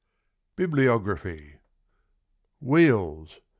115 BIBLIOGRAPHY. WHEELS.